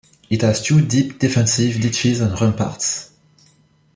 It has two deep defensive ditches and ramparts.